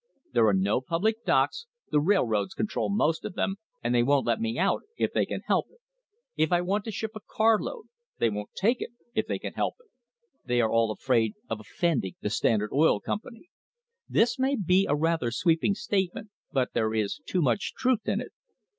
There are no public docks; the railroads control most of them, and they won't let me out if they can help it. If I want to ship a car load they won't take it if they can help it. They are all afraid of offending the Standard Oil Company." This may be a rather sweeping statement, but there is too much truth in it.